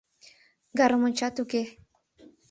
Гармоньчат уке.